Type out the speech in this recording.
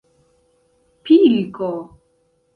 pilko